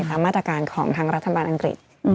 ตามมาตรการของทางรัฐบาลอังกฤษ